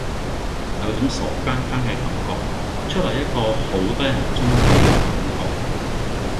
有種傻更更嘅感覺，出嚟一個好得人中意嘅感覺